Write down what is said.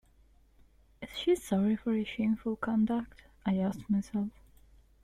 Is she sorry for her shameful conduct? — I asked myself.